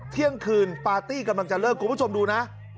เที่ยงคืนปาร์ตี้กำลังจะเลิกคุณผู้ชมดูนะ